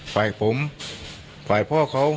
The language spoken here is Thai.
ไขว้ผมไขว้พ่อเขา